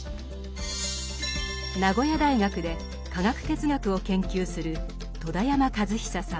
名古屋大学で科学哲学を研究する戸田山和久さん。